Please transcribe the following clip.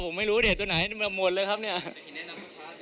ผมไม่รู้ว่าเด็ดตัวไหนหมดเลยครับเนี้ยอายุตัวเองนะ